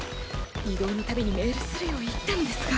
移動の度にメールするよう言ったのですが。